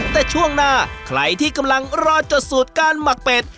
แต่ช่วงหน้าใครที่กำลังรอจดสูตรการหมักเป็ด